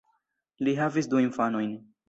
Li havis du infanojn.